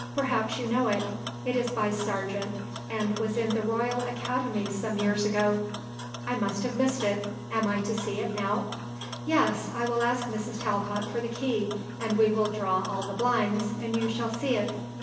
Perhaps you know it. It is by Sargent and was in the Royal Academy some years ago." "I must have missed it. Am I to see it now?" "Yes. I will ask Mrs. Talcott for the key and we will draw all the blinds and you shall see it."